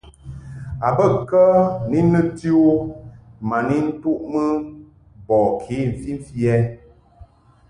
A bə kə ni nɨti u ma ni ntuʼmɨ bɔ ke mfimfi ɛ ?